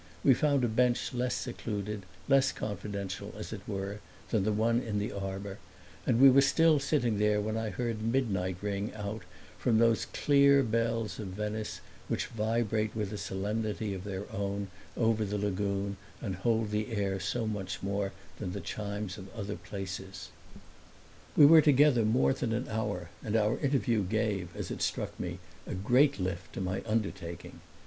We found a bench less secluded, less confidential, as it were, than the one in the arbor; and we were still sitting there when I heard midnight ring out from those clear bells of Venice which vibrate with a solemnity of their own over the lagoon and hold the air so much more than the chimes of other places. We were together more than an hour, and our interview gave, as it struck me, a great lift to my undertaking.